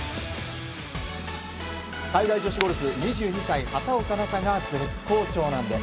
海外女子ゴルフ２２歳、畑岡奈紗が絶好調なんです。